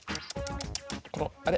あれ。